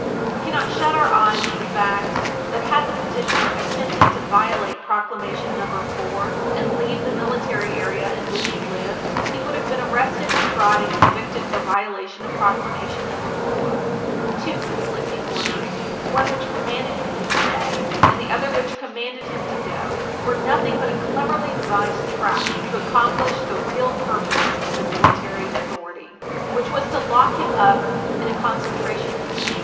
We cannot shut our eyes to the fact that, had the petitioner attempted to violate Proclamation No. 4 and leave the military area in which he lived, he would have been arrested and tried and convicted for violation of Proclamation No. 4. The two conflicting orders, one which commanded him to stay and the other which commanded him to go, were nothing but a cleverly devised trap to accomplish the real purpose of the military authority, which was to lock him up in a concentration camp.